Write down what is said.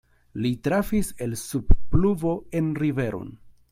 Li trafis el sub pluvo en riveron.